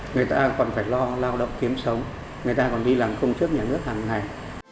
người ta còn phải lo lao động kiếm sống người ta còn đi làm công chức nhà nước hàng ngày